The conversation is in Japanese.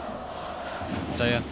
ジャイアンツ